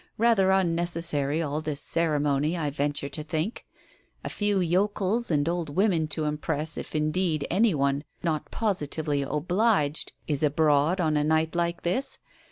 Rather unnecessary, all this ceremony, I venture to think ! A few yokels and old women to impress, if indeed, any one not positively obliged is abroad on a night like this